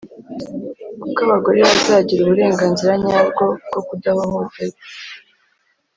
kuko abagore bazagira uburenganzira nyabwo bwo kudahohoterwa.